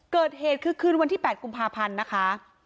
เกิดเหตุคือคืนวันที่๘กุมภาพันธ์นะคะ